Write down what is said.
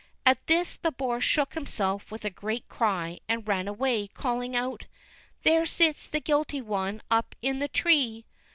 At this the boar shook himself with a great cry, and ran away, calling out, "There sits the guilty one, up in the tree!"